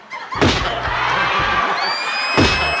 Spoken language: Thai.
บ้ารึยัง